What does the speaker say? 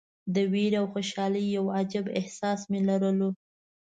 د ویرې او خوشالۍ یو عجیب احساس مې لرلو.